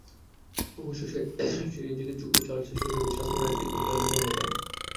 অবশ্য শেষ দিকে চুকো চার্লসের সৌজন্যে সান্ত্বনার একটি গোল পায় মোহামেডান।